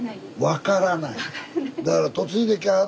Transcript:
分からない。